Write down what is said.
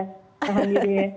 nahan gitu ya